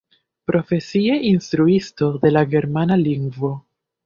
Profesie instruisto de la germana lingvo.